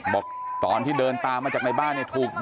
บอกว่าตอนเดินตามทางมาจากในบ้าน